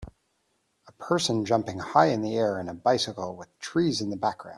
A person jumping high in the air in a bicycle with trees in the background